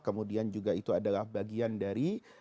kemudian juga itu adalah bagian dari